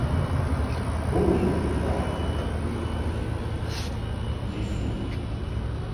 Bo ni ŋka ŋkun kɔki nji suʼ.